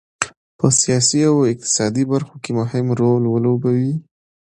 په سیاسي او اقتصادي برخو کې مهم رول ولوبوي.